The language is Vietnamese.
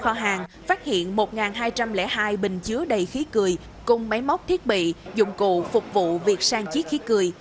kho hàng phát hiện một hai trăm linh hai bình chứa đầy khí cười cùng máy móc thiết bị dụng cụ phục vụ việc sang chiếc khí cười